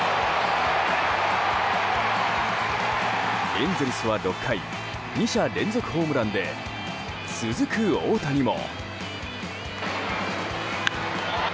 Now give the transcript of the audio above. エンゼルスは６回２者連続ホームランで続く大谷も。